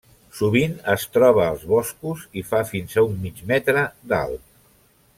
Sovint es troba als boscos i fa fins a un mig metre d’alt.